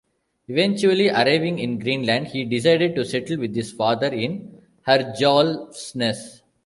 Eventually arriving in Greenland, he decided to settle with his father in Herjolfsnes.